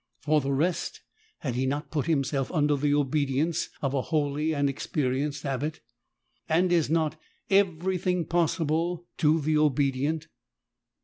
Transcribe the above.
For the rest, had he not put himself under the obedience of a holy and experienced Abbot ? And is not everything possible to the obedient